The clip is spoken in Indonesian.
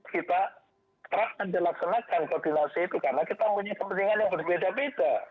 kita terapkan dilaksanakan koordinasi itu karena kita punya kepentingan yang berbeda beda